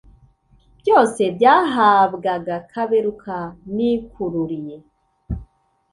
byose byahabwaga kaberuka nikururiye